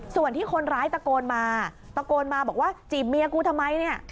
ส่วนที่คนร้ายตะโกนมาตะโกนมาบอกว่าจีบเมียกูทำไมเนี่ย